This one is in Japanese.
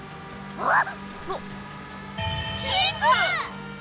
あっ。